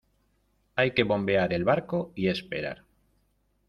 hay que bombear el barco y esperar.